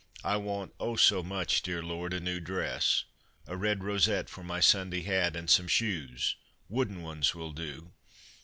I want, oh, so much, dear Lord ! a new dress, a red rosette for my Sunday hat, and some shoes — wooden ones will do.